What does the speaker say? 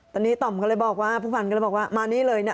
ตอนนี้ต่อมก็เลยบอกว่าผู้พันธ์ก็เลยบอกว่ามานี่เลยเนี่ย